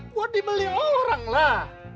buat dibeli orang lah